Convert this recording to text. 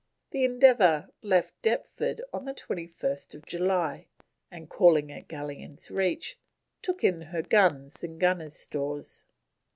The Endeavour left Deptford on 21st July, and, calling at Galleons Reach, took in her guns and gunners' stores.